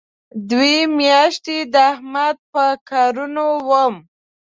دوې میاشتې د احمد په کارونو وم.